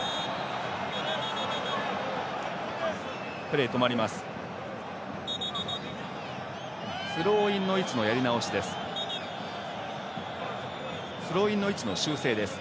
プレー、止まります。